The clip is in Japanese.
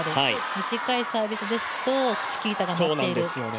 短いサービスですとチキータが待ってる。